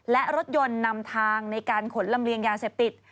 และรถยนต์นำทางในการขนลำเลียงยาเสพติด